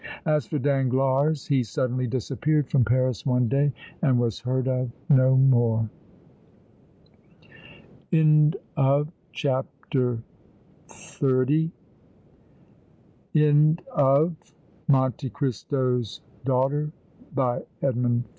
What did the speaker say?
As for Danglars, he suddenly disappeared from Paris one day and was heard of no more. THE END. End of the Project Gutenberg EBook of Monte Cristo's Daughter, by Edmund Flagg *